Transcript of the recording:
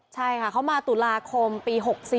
ใช่ค่ะเขามาตุลาคมปี๖๔